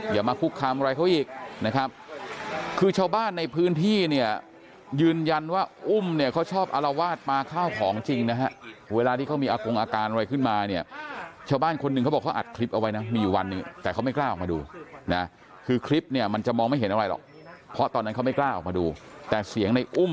อย่ามาคุกคามอะไรเขาอีกนะครับคือชาวบ้านในพื้นที่เนี่ยยืนยันว่าอุ้มเนี่ยเขาชอบอารวาสมาข้าวของจริงนะฮะเวลาที่เขามีอากงอาการอะไรขึ้นมาเนี่ยชาวบ้านคนหนึ่งเขาบอกเขาอัดคลิปเอาไว้นะมีอยู่วันหนึ่งแต่เขาไม่กล้าออกมาดูนะคือคลิปเนี่ยมันจะมองไม่เห็นอะไรหรอกเพราะตอนนั้นเขาไม่กล้าออกมาดูแต่เสียงในอุ้ม